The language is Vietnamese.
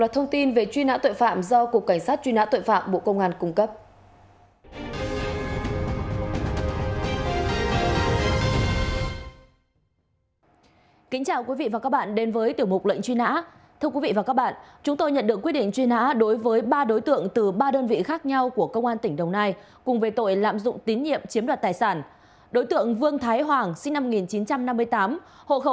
tiếp tục là thông tin về truy nã tội phạm do cục cảnh sát truy nã tội phạm bộ công an cung cấp